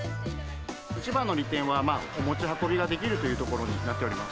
一番の利点は、持ち運びができるというところになっております。